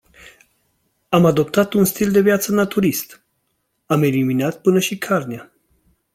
Am adoptat un stil de viață naturist, am eliminat până și carnea.